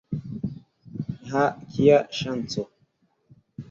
Ha! kia ŝanco!